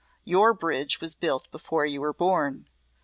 Your bridge was built before you were born.